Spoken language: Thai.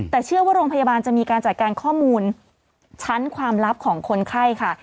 แต่เชื่อว่าโรงพยาบาลจะมีการจัดการข้อมูลชั้นความลับของคนไข้ค่ะ